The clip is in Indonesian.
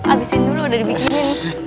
abisin dulu udah dibikinin